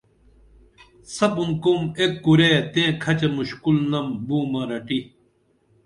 سپُن قوم ایک کُرے تئیں کھچہ مُشکُل نم بومہ رٹی